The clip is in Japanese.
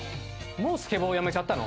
もうスケボーやめちゃったの？